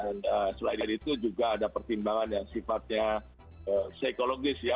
dan selain itu juga ada pertimbangan yang sifatnya psikologis ya